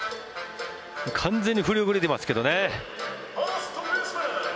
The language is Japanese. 完全に振り遅れてますけどね。